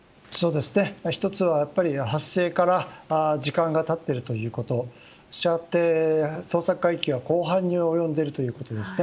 １つは、発生から時間が経っているということ捜索海域は広範に及んでいるということです。